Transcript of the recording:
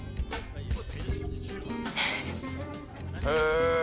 へえ！